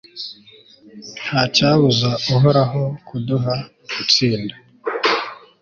ntacyabuza uhoraho kuduha gutsinda